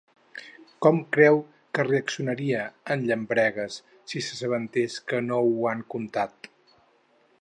Com creu que reaccionaria en Llambregues si s'assabentés que ho han contat?